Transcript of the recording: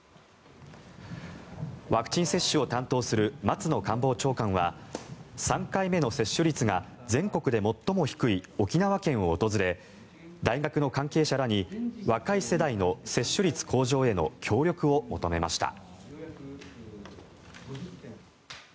ワクチン接種を担当する松野官房長官は３回目の接種率が全国で最も低い沖縄県を訪れ大学の関係者らに若い世代の接種率向上への協力を求めました。